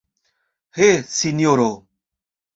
He, sinjoro!